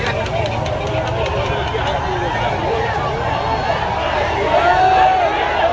เฮียเฮียเฮีย